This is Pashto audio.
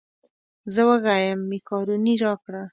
زه وږی یم مېکاروني راکړه.